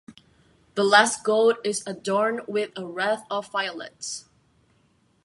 The last goat is adorned with a wreath of violets.